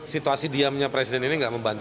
situasi diamnya presiden ini tidak membantu